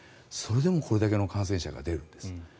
それでもこれだけの感染者が出るんです。